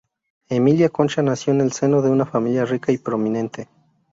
Emiliana Concha nació en el seno de una familia rica y prominente.